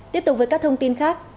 tiếp tục với các thông tin khác